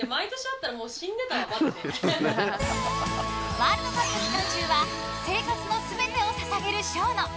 ワールドカップ期間中は生活の全てを捧げるＳＨＯＮＯ。